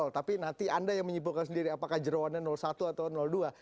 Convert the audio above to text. tapi nanti anda yang menyimpulkan sendiri apakah jerawannya satu atau dua